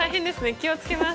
気を付けます。